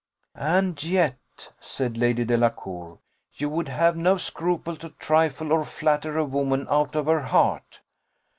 "And yet," said Lady Delacour, "you would have no scruple to trifle or flatter a woman out of her heart."